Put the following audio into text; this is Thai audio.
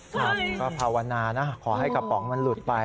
ผมก็ภาวนานะขอให้กระป๋องมันหลุดไป